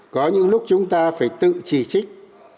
có những lúc chúng ta phải tự chỉ trích